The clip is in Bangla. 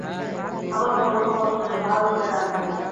আমার মনে কোনো কষ্ট নাই, কাহারো উপরে রাগ নাই।